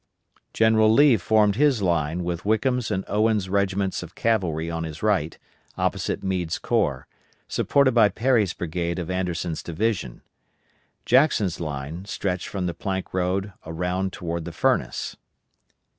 General Lee formed his line with Wickham's and Owens' regiments of cavalry on his right, opposite Meade's corps, supported by Perry's brigade of Anderson's division; Jackson's line stretched from the Plank Road around toward the Furnace.